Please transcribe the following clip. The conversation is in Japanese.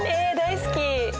え大好き。